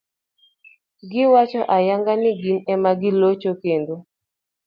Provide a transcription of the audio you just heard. Giwacho ayanga ni gin ema gilocho, kendo